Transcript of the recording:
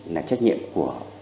là trách nhiệm của